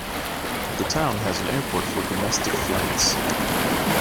The town has an airport for domestic flights.